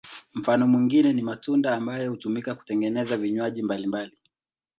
Mfano mwingine ni matunda ambayo hutumika kutengeneza vinywaji mbalimbali.